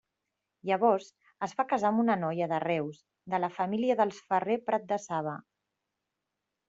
Llavors es va casar amb una noia de Reus de la família dels Ferrer Pratdesaba.